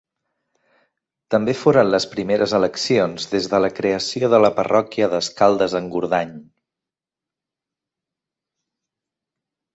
També foren les primeres eleccions des de la creació de la parròquia d'Escaldes-Engordany.